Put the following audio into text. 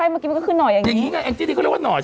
มันยังอยู่นี่